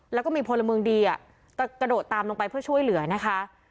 แล้วก็มีพลเมืองดีกระโดดตามลงไปเพื่อช่วยเหลือนะคะ